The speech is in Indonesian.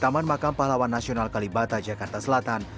taman makam pahlawan nasional kalibata jakarta selatan